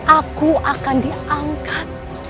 aku akan diangkat